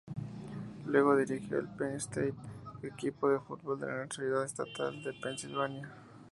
Luego, dirigió al Penn State, equipo de fútbol de la universidad estatal de Pensilvania.